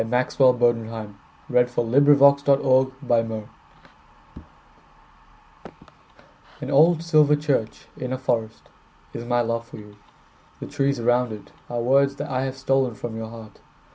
Maxwell Bodenheim1892–1954 Poet to His Love AN old silver church in a forestIs my love for you. The trees around itAre words that I have stolen from your heart.